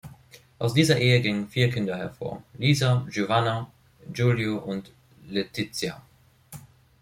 Aus dieser Ehe gingen vier Kinder hervor: Lisa, Giovanna, Giulio und Letizia.